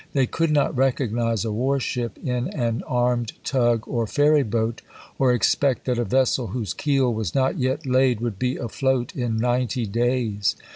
They could not recognize a war ship in an armed tug or ferry boat, or expect that a vessel whose keel was not yet laid would be afloat in ninety days.